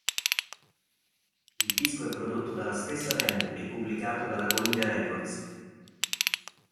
Il disco è prodotto dalla stessa band e pubblicato dalla Columbia Records.